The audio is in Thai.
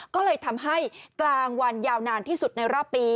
ก็เลยทำให้กลางวันยาวนานที่สุดในรอบปี